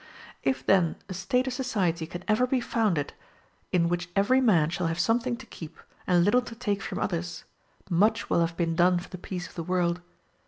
If then a state of society can ever be founded in which every man shall have something to keep, and little to take from others, much will have been done for the peace of the world.